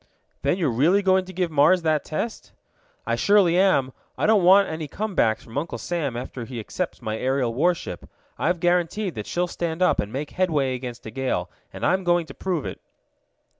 "Then you're really going to give the Mars that test?" "I surely am. I don't want any comebacks from Uncle Sam after he accepts my aerial warship. I've guaranteed that she'll stand up and make headway against a gale, and I'm going to prove it."